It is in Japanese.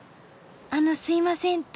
あのすいません